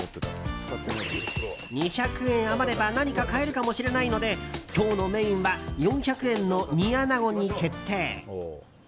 ２００円余れば何か買えるかもしれないので今日のメインは４００円の煮アナゴに決定。